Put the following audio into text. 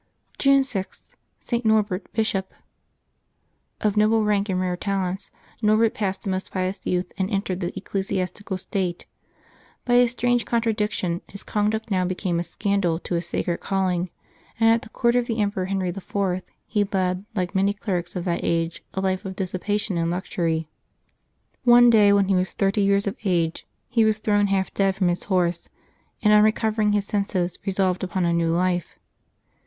June 6.— ST. NORBERT, Bishop. OF noble rank and rare talents, Norbert passed a most pious youth, and entered the ecclesiastical state. By a strange contradiction, his conduct now became a scan dal to his sacred calling, and at the court of the Emperor Henry IV. he led, like many clerics of that age, a life of dissipation and luxury. One day, when he was thirty years of age, he was thrown half dead from his horse, and on recovering his senses, resolved upon a new life.